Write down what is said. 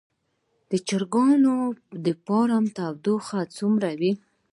د چرګانو د فارم تودوخه څومره وي؟